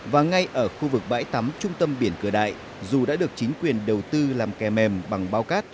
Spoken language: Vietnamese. và ngay ở khu vực bãi tắm trung tâm biển cửa đại dù đã được chính quyền đầu tư làm kè mềm bằng bao cát